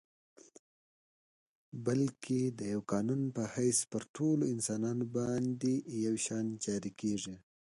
بلکه د یوه قانون په حیث پر ټولو انسانانو باندي یو شان جاري کیږي.